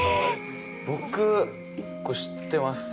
僕、１個知ってます。